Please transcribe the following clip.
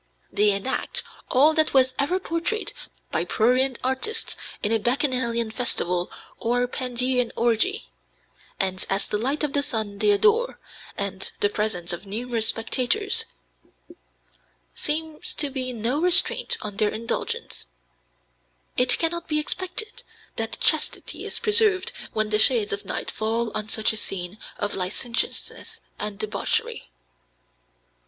They enact all that was ever portrayed by prurient artists in a bacchanalian festival or pandean orgy; and as the light of the sun they adore, and the presence of numerous spectators, seems to be no restraint on their indulgence, it cannot be expected that chastity is preserved when the shades of night fall on such a scene of licentiousness and debauchery."